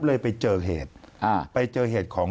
เลยไปเจอเหตุ